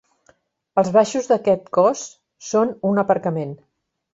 Els baixos d'aquest cos són un aparcament.